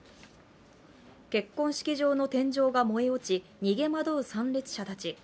結婚式場の天井が燃え落ち逃げ惑う参列者たち。